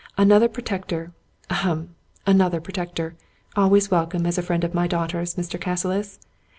" Another pro tector — ahem! — ^another protector. Always welcome as a friend of my daughter's, Mr. Cassilis.